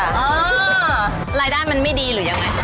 อ่ารายร่างการมันไม่ดีหรือยังไง